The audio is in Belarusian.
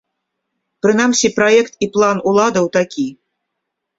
Прынамсі, праект і план уладаў такі.